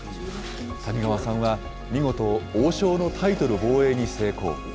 谷川さんは、見事、王将のタイトル防衛に成功。